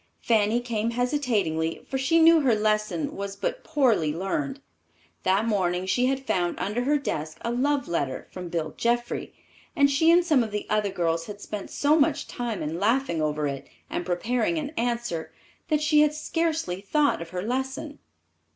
Fanny came hesitatingly, for she knew her lesson was but poorly learned. That morning she had found under her desk a love letter from Bill Jeffrey, and she and some of the other girls had spent so much time in laughing over it, and preparing an answer, that she had scarcely thought of her lesson.